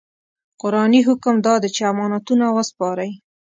قرآني حکم دا دی چې امانتونه وسپارئ.